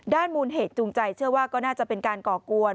มูลเหตุจูงใจเชื่อว่าก็น่าจะเป็นการก่อกวน